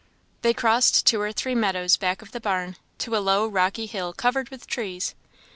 They crossed two or three meadows back of the barn, to a low rocky hill covered with trees.